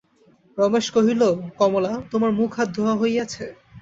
রমেশ কহিল, কমলা, তোমার মুখ-হাত ধোওয়া হইয়াছে?